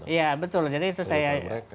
iya betul jadi itu saya